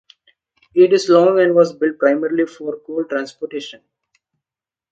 It is long and was built primarily for coal transportation.